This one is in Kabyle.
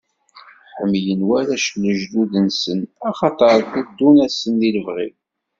Ḥemmlen warrac lejdud-nsen axaṭer teddun-asen di lebɣi.